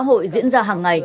mạng xã hội diễn ra hàng ngày